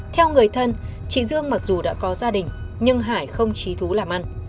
theo người thân chị dương mặc dù đã có gia đình nhưng hải không trí thú làm ăn